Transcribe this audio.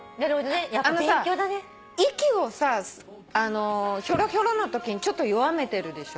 あのさ息をさヒョロヒョロのときにちょっと弱めてるでしょ？